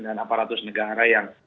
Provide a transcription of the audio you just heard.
dan aparatus negara yang